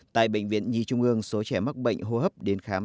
tại bệnh viện nhi trung ương số trẻ mắc bệnh hô hấp đến khám